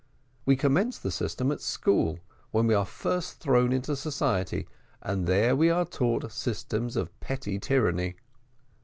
We commence the system at school, when we are first thrown into society, and there we are taught systems of petty tyranny.